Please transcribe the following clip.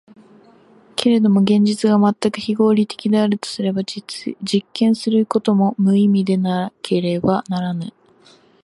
けれども現実が全く非合理的であるとすれば、実験することも無意味でなければならぬ。